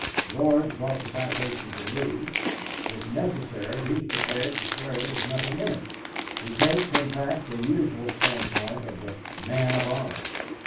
George brought the citation to me. If necessary he's prepared to swear there's nothing in it. He takes, in fact, the usual standpoint of the 'man of honour.'